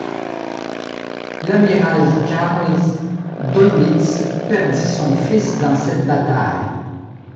L'Amiral Karl Dönitz perdit son fils dans cette bataille.